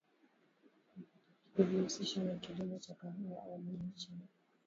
kijihusisha na kilimo cha kahawa au majani chai